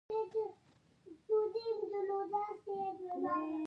د غلو د نیولو شپه مې رڼه کړه.